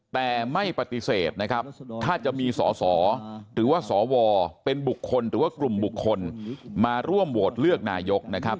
แต่ไม่ปฏิเสธนะครับถ้าจะมีสอสอหรือว่าสวเป็นบุคคลหรือว่ากลุ่มบุคคลมาร่วมโหวตเลือกนายกนะครับ